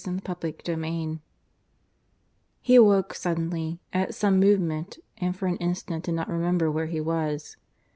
CHAPTER V (I) He awoke suddenly, at some movement, and for an instant did not remember where he was.